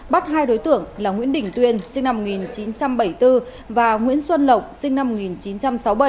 bắt hai đối tượng là nguyễn đình tuyên sinh năm một nghìn chín trăm bảy mươi bốn và nguyễn xuân lộc sinh năm một nghìn chín trăm sáu mươi bảy